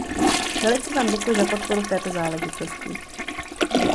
Velice vám děkuji za podporu v této záležitosti.